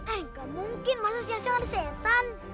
eh gak mungkin masa sial sial ada setan